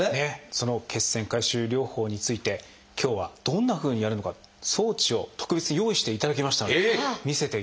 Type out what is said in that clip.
その血栓回収療法について今日はどんなふうにやるのか装置を特別に用意していただきましたので見せていただきましょう。